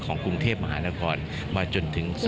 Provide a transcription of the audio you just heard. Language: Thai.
ของกรุงเทพมหานครมาจนถึง๒วัน